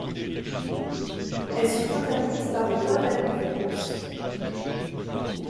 Elles sont interdites par le droit de la concurrence.